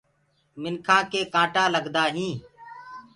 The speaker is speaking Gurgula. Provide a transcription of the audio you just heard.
منکآ ڪي ڪآٽآ لگدآ هينٚ۔